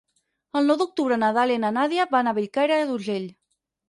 El nou d'octubre na Dàlia i na Nàdia van a Bellcaire d'Urgell.